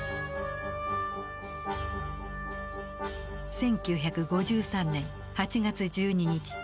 １９５３年８月１２日。